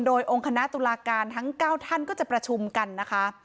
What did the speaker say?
โดยองค์คณะตุลาการทั้ง๙ท่านก็จะประชุมกันนะคะ